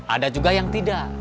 ada juga yang tidak